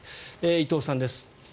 伊藤さんです。